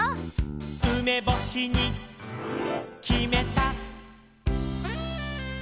「うめぼしにきめた！」